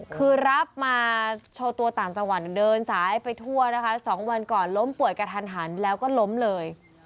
คือรับมาโชว์ตัวต่างจังหวัดเดินสายไปทั่วนะคะ๒วันก่อนล้มป่วยกระทันหันแล้วก็ล้มเลย